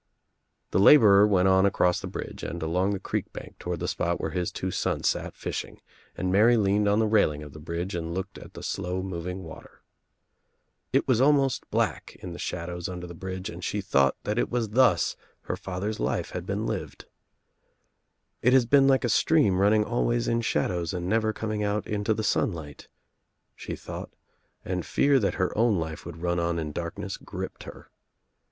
The laborer went on across the bridge and along the creek bank toward the spot where his two sons sat fishing and Mary leaned on the railing of the bridge and looked at the slow moving water. It was almost black in the shadows under the bridge and she thought that it was thus her father's life had been lived. "It has been like a stream running always In shadows and never coming out into the sunlight," she thought, and fear that her own life would run on In darkness gripped her.